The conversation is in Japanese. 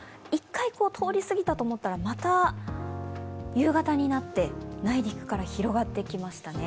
１回、通りすぎたと思ったらまた夕方になって内陸から広がってきましたね。